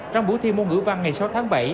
trong buổi thi môn ngữ văn ngày sáu tháng bảy